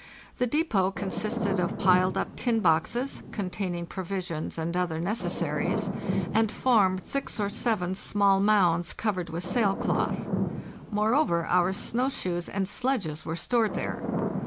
The depot con sisted of piled up tin boxes, containing provisions and other necessaries, and formed six or seven small mounds covered with sail cloth. Moreover, our snow shoes and sledges were stored there.